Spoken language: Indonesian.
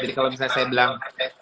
jadi kalau misalnya saya bilang